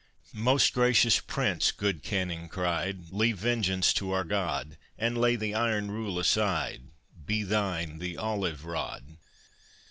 Most gracious prince, good Cannyng cried, Leave vengeance to our God, And lay the iron rule aside, Be thine the olive rod.